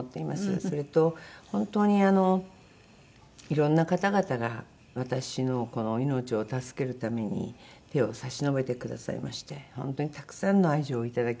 それと本当にいろんな方々が私のこの命を助けるために手を差し伸べてくださいまして本当にたくさんの愛情をいただきました。